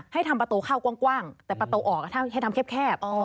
ให้ทำประตูเข้ากว้างแต่ประตูออกให้ทำแคบ